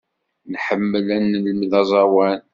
Nḥemmel ad nelmed aẓawan.